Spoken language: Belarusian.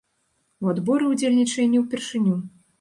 У адборы ўдзельнічае не ўпершыню.